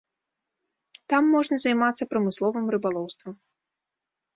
Там можна займацца прамысловым рыбалоўствам.